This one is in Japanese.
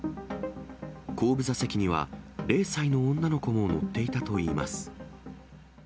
後部座席には０歳の女の子も乗っていたといいます。